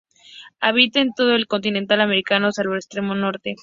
Habitan en todo el continente americano, salvo el extremo norte.